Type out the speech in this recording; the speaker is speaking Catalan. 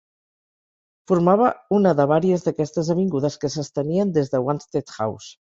Formava una de vàries d'aquestes avingudes que s'estenien des de Wanstead House.